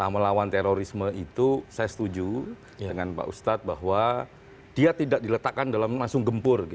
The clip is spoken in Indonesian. melawan terorisme itu saya setuju dengan pak ustadz bahwa dia tidak diletakkan dalam langsung gempur